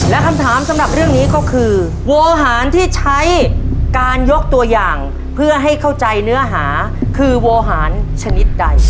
และคำถามสำหรับเรื่องนี้ก็คือโวหารที่ใช้การยกตัวอย่างเพื่อให้เข้าใจเนื้อหาคือโวหารชนิดใด